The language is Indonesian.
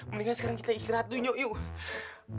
mendingan sekarang kita istirahat dulu yuk